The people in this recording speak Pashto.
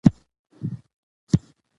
زه هره ورځ انلاین زده کړه کوم.